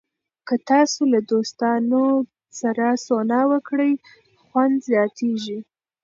که تاسو له دوستانو سره سونا وکړئ، خوند زیاتېږي.